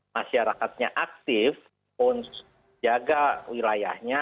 masyarakatnya aktif untuk jaga wilayahnya